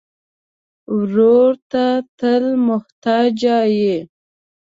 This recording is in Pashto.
ورور ته تل محتاج یې.